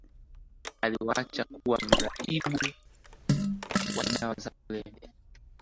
Aliwacha kuwa mraibu wa dawa za kulevya